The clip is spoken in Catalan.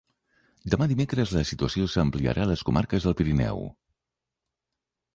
Demà dimecres la situació s'ampliarà a les comarques del Pirineu.